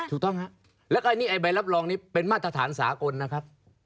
ถูกต้องครับแล้วก็อันนี้ไอใบรับรองนี้เป็นมาตรฐานสากลนะครับ